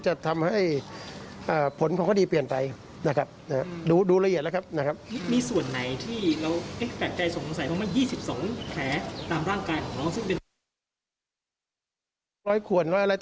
ว่าส่วนที่พวกรอยกว่นเพิ่มเติมประมาณสัก๒๒บาทแผล